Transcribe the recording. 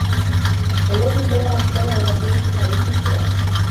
الَّذِي بَلَغَ مَا لَا يَبْلُغُهُ صَرِيحُ السُّؤَالِ